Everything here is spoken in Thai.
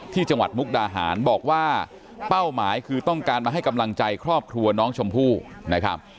จังหวัดมุกดาหารบอกว่าเป้าหมายคือต้องการมาให้กำลังใจครอบครัวน้องชมพู่นะครับ